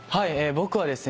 僕はですね